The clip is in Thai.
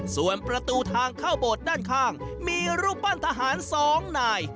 ส่วนประตูทางเข้าโบสถ์ด้านข้างมีรูปปั้นทหาร๒นาย